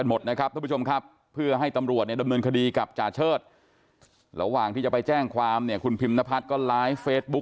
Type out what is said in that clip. เหมือนเมื่ออาทิตย์อีกแล้วนะตีเขาไปแจ้งเขรียดไม่หายเลยนะ